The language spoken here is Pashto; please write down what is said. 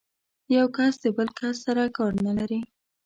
يو کس د بل کس سره کار نه لري.